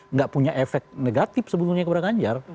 nggak punya efek negatif sebetulnya kepada ganjar